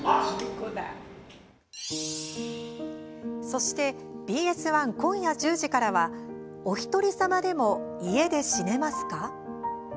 そしてＢＳ１、今夜１０時からは「おひとりさまでも、家で死ねますか？」。